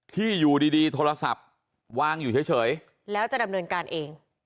ที่อยู่ดีโทรศัพท์วางอยู่เฉยแล้วจะดำเนินการเอง